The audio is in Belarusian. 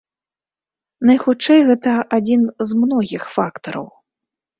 Найхутчэй, гэта адзін з многіх фактараў.